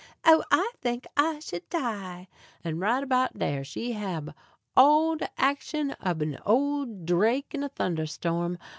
Oh! I think I should die." And right about dar she hab all de actions ob an' old drake in a thunder storm.